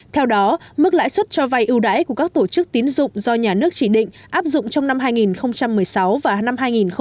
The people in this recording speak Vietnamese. theo đó mức lãi suất cho vay ưu đãi của các tổ chức tín dụng do nhà nước chỉ định áp dụng trong năm hai nghìn một mươi sáu và năm hai nghìn một mươi chín